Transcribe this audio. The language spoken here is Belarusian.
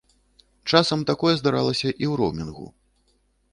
Часам такое здаралася і ў роўмінгу.